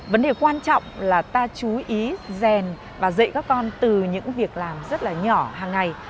vấn đề quan trọng là ta chú ý rèn và dạy các con từ những việc làm rất là nhỏ hàng ngày